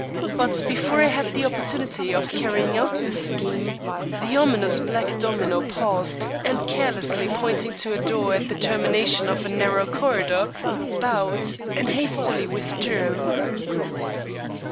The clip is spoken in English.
But before I had the opportunity of carrying out this scheme, the ominous Black Domino paused, and carelessly pointing to a door at the termination of a narrow corridor, bowed, and hastily withdrew.